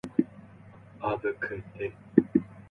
A quick brown fox jumped over the lazy dog